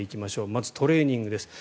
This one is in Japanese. まずトレーニングです。